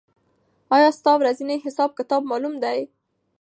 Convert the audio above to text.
آیا ستا ورځنی حساب کتاب معلوم دی؟